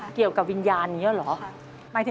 เกี่ยวกับวิญญาณนี้หรือ